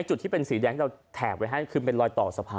ไอ้จุดที่เป็นสีแดงเราแถบไว้ให้ขึ้นเป็นรอยต่อสะพาน